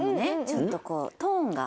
ちょっとこうトーンが。